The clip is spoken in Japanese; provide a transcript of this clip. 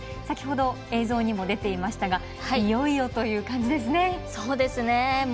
先ほど、映像にも出ていましたがいよいよという感じですね。